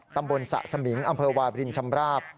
ตำบลสะสมิงอำเภอวาบรินชำราบ